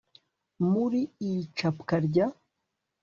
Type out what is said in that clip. muri iri capwa rya